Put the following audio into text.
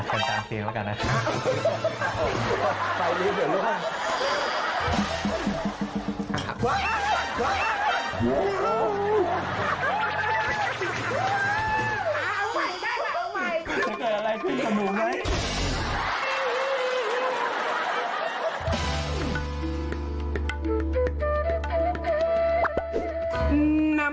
กันกลางเตรียมแล้วกันนะ